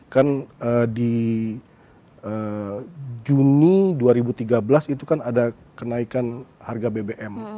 kan di juni dua ribu tiga belas itu kan ada kenaikan harga bbm